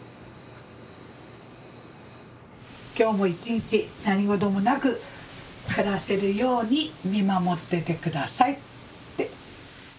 今日も一日何事もなく暮らせるように見守っててくださいって。